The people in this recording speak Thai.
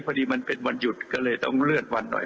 พอดีมันเป็นวันหยุดก็เลยต้องเลื่อนวันหน่อย